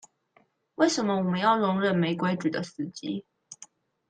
為什麼我們要容忍沒規矩的司機